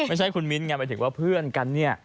ไม่ใช่คุณมิ้นไงหมายถึงว่าเพื่อนกันเนี่ย